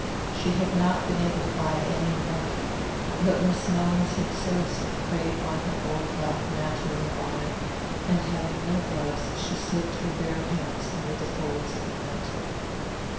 She had not been able to buy any mourning, but Miss Mellins had sewed some crape on her old black mantle and bonnet, and having no gloves she slipped her bare hands under the folds of the mantle.